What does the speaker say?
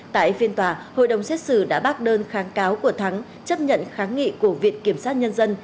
tại phiên tòa hội đồng xét xử đã bác đơn kháng cáo của thắng chấp nhận kháng nghị của viện kiểm sát nhân dân